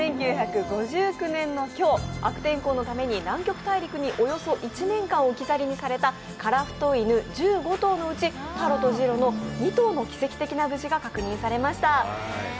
１９５９年の今日、悪天候のために南極大陸からおよそ１年間置き去りにされたカラフト犬１５頭のうちタロとジロの２頭の奇跡的な無事が確認されました。